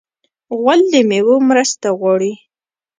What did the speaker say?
غول د میوو مرسته غواړي.